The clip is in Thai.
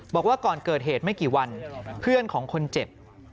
บอกว่าก่อนเกิดเหตุไม่กี่วันเพื่อนของคนเจ็บ